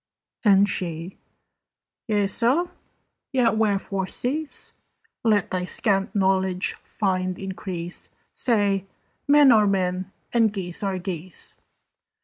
And she "Yea so? Yet wherefore cease? Let thy scant knowledge find increase. Say 'Men are Men, and Geese are Geese.'"